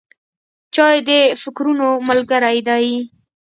چای د فکرونو ملګری دی.